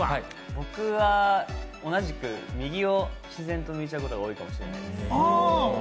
僕は同じく右を自然と向いちゃうことが多いかもしれないです。